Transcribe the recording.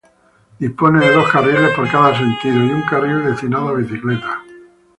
Dispone de dos carriles por cada sentido y un carril destinado a bicicletas.